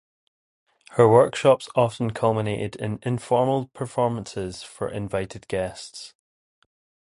Her workshops often culminated in informal performances for invited guests.